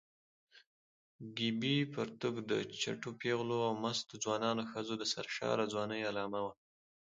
ګیبي پرتوګ د چټو پېغلو او مستو ځوانو ښځو د سرشاره ځوانۍ علامه وه.